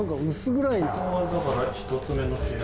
ここがだから１つ目の部屋。